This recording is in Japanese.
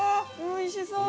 おいしそう。